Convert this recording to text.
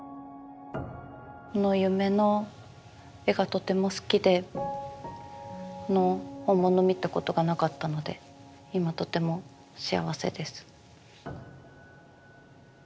この「夢」の絵がとても好きで本物を見たことがなかったので今とても幸せです。